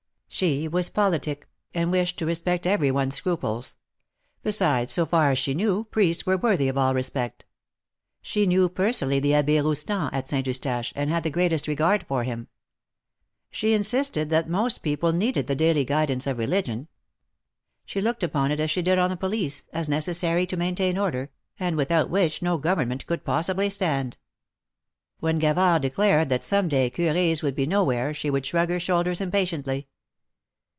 She was politic, and wished to respect every one's scruples. Besides, so far as she knew. Priests were worthy of all respect. She knev/ personally the Abb6 Roustan, at Saint Eustache, and had the greatest regard for him. She insisted that most people needed the daily guidapce of religion. She looked upon it as she did on the police, as necessary to maintain order, and without which no government could possibly stand, When Gavard declared that some day Cur6s would be nowhere, she would shrug her shoulders impatiently.